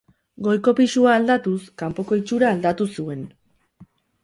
Goiko pisua aldatuz kanpoko itxura aldatu zuen.